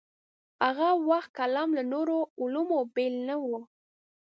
هاغه وخت کلام له نورو علومو بېل نه و.